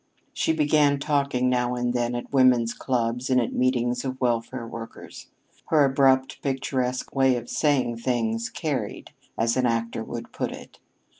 She began talking now and then at women's clubs and at meetings of welfare workers. Her abrupt, picturesque way of saying things "carried," as an actor would put it.